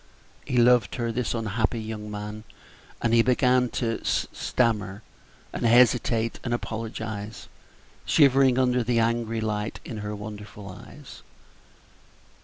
He loved her, this unhappy young man, and he began to stammer, and hesitate, and apologize, shivering under the angry light in her wonderful eyes.